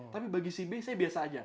tapi bagi si b saya biasa aja